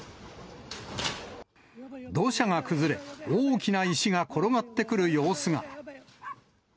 土砂が崩れ、大きな石が転がってくる様子が。